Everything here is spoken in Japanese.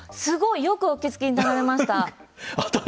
よくお気付きになられました。